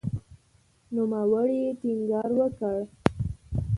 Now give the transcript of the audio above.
نوموړي ټینګار وکړ